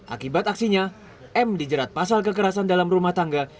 akibat aksinya m dijerat pasal kekerasan dalam rumah tangga